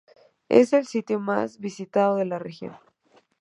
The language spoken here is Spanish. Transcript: Es el sitio más visitado de la región.